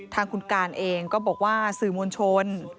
ทางคุณการเองก็บอกว่าสื่อมวลชน